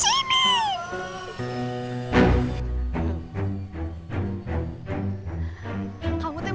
supaya gue gak terlalualted